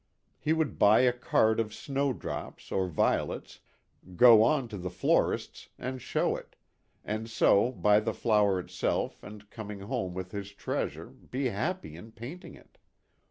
He would buy a card of snow drops or violets, go on to the florists and show it, and so buy the flower itself and coming home with his treasure be happy in painting it.